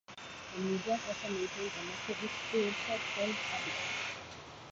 The museum also maintains a natural history website named "Habitas".